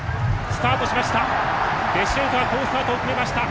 スタートしました。